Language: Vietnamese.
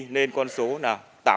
nên con số là tám mươi